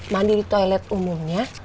mandi di toilet umumnya